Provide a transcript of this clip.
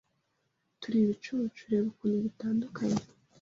turi ibicucu reba ukuntu gitandukanye